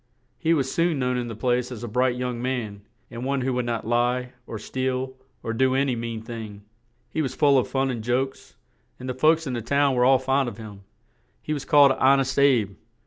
He was soon known in the place as a bright young man, and one who would not lie, or steal, or do an y mean thing; he was full of fun and jokes, and the folks in the town were all fond of him; he was called "Hon est Abe."